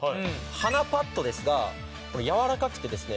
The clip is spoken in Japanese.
鼻パッドですがやわらかくてですね